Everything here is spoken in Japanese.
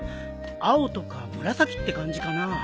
青とか紫って感じかな？